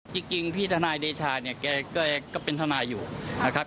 จริงพี่ทนายเดชาเนี่ยแกก็เป็นทนายอยู่นะครับ